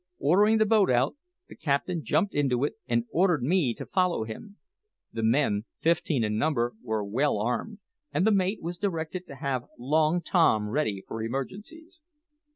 Ordering the boat out, the captain jumped into it, and ordered me to follow him. The men, fifteen in number, were well armed; and the mate was directed to have Long Tom ready for emergencies.